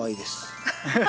ハハハッ。